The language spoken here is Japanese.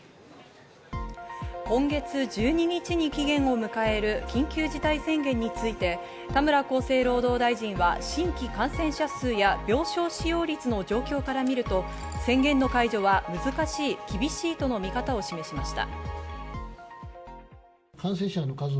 今月１２日に期限を迎える緊急事態宣言について、田村厚生労働大臣は新規感染者数や病床使用率の状況から見ると宣言の解除は難しい厳しいとの見方を示しました。